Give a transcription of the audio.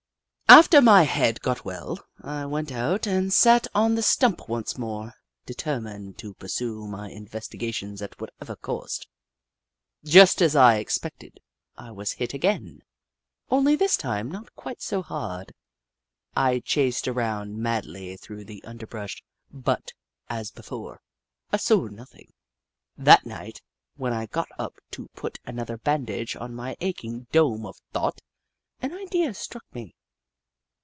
After my head got well, I went out and sat Hoot Mon 199 on the stump once more, determined to pursue my investigations at whatever cost. Just as I expected, I was hit again, only this time not quite so hard. I chased around madly through the underbrush, but, as before, I saw nothing. That night, when I got up to put another bandage on my aching dome of thought, an idea struck me.